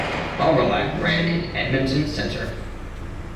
Hawrelak ran in Edmonton Centre.